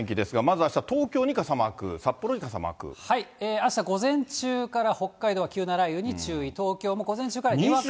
あした午前中から北海道は急な雷雨に注意、東京も午前中からにわか雨に注意。